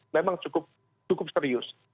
memang cukup serius